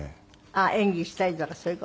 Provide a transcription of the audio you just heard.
演技したりとかそういう事？